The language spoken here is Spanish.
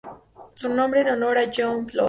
Su nombre es en honor a John Floyd.